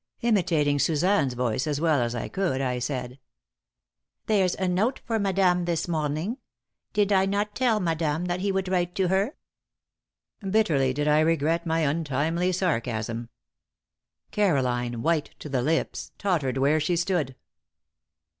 Imitating Suzanne's voice as well as I could, I said: "There's a note for madame this morning. Did I not tell madame that he would write to her?" Bitterly did I regret my untimely sarcasm. Caroline, white to the lips, tottered where she stood.